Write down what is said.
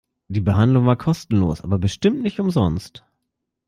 Die Behandlung war kostenlos, aber bestimmt nicht umsonst.